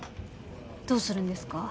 どうするんですか？